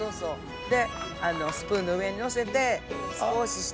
スプーンの上にのせて少しして。